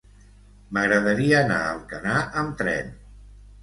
M'agradaria anar a Alcanar amb tren.